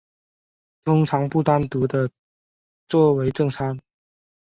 通常不单独地作为正餐。